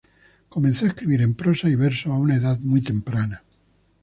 Comenzó a escribir en prosa y verso a una edad muy temprana.